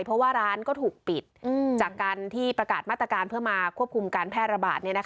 เพราะว่าร้านก็ถูกปิดจากการที่ประกาศมาตรการเพื่อมาควบคุมการแพร่ระบาด